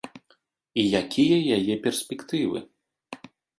І якія яе перспектывы?